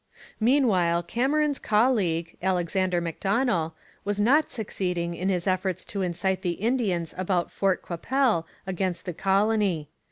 Meanwhile Cameron's colleague, Alexander Macdonell, was not succeeding in his efforts to incite the Indians about Fort Qu'Appelle against the colony.